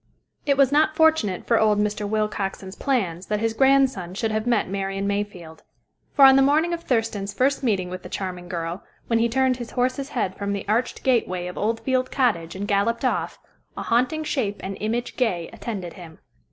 It was not fortunate for old Mr. Willcoxen's plans that his grandson should have met Marian Mayfield. For, on the morning of Thurston's first meeting with the charming girl, when he turned his horse's head from the arched gateway of Old Field Cottage and galloped off, "a haunting shape and image gay" attended him.